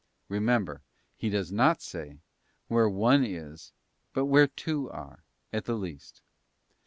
Remember, He does not say: Where one is, but where two are, at the least.